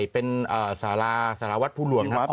เป็นสาราสารวัตรภูหลวงครับ